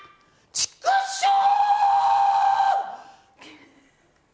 チクショー！！